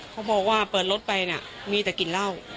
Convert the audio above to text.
เขาบอกว่าเปิดรถไปน่ะมีแต่กลิ่นเหล้า